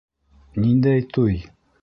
Ниндәй туй?